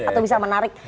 atau bisa menarik